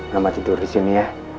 mama tidur disini ya